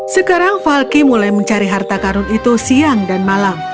sekarang falky mulai mencari harta karun itu siang dan malam